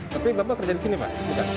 tapi bapak kerja di sini pak